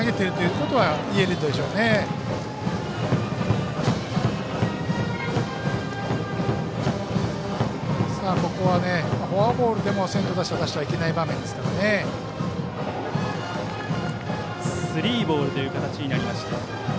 ここはフォアボールでも先頭打者を出してはいけないスリーボールという形になりました。